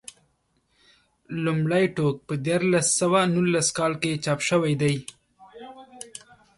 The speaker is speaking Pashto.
لومړی ټوک په دیارلس سوه نولس کال کې چاپ شوی دی.